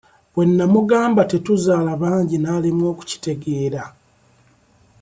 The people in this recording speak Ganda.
Bwe nnamugamba tetuzaala bangi n'alemwa okukitegeera.